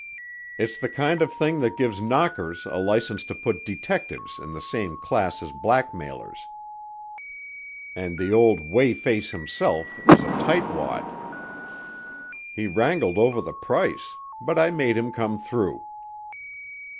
"It's the kind of thing that gives knockers a license to put detectives in the same class as blackmailers and the old Whey face himself is a tight wad. He wrangled over the price but I made him come through."